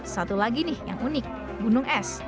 satu lagi nih yang unik gunung es